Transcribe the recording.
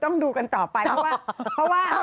ต้องดูกันต่อไปเพราะว่า